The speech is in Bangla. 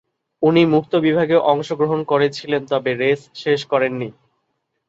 উনি মুক্ত বিভাগেও অংশগ্রহণ করেছিলেন তবে রেস শেষ করেননি।